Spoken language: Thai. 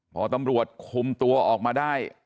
พอตำรวจคุมตัวออกมาได้